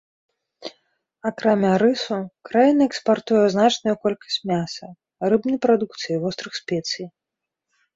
Акрамя рысу, краіна экспартуе значную колькасць мяса, рыбнай прадукцыі і вострых спецый.